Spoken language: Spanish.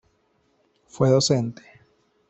Fue docente.